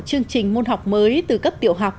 chương trình môn học mới từ cấp tiểu học